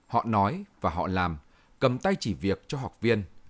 họ nói và họ làm cầm tay chỉ việc cho học viên